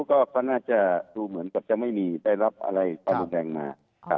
ก็น่าจะดูเหมือนกับจะไม่มีได้รับอะไรความรุนแรงมา